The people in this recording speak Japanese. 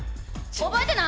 覚えてな！